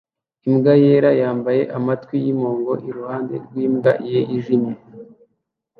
Imbwa yera yambaye amatwi yimpongo iruhande rwimbwa yijimye